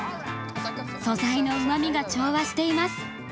素材のうまみが調和しています。